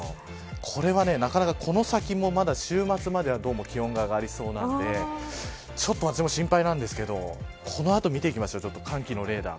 これはなかなかこの先もまだ週末まではどうも気温が上がりそうなのでちょっと私も心配なんですけどこの後見ていきましょう寒気のレーダー。